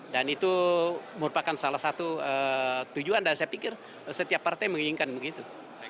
itu merupakan salah satu tujuan dan saya pikir setiap partai menginginkan begitu